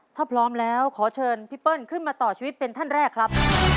ถ้าพร้อมแล้วขอเชิญพี่เปิ้ลขึ้นมาต่อชีวิตเป็นท่านแรกครับ